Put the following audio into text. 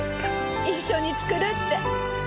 一緒に作るって。